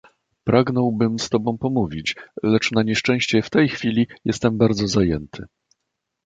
"Pragnąłbym z tobą pomówić, lecz na nieszczęście w tej chwili jestem bardzo zajęty."